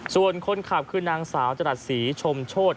ส่วนคนขับคือนางสาวจรัสศรีชมโชธ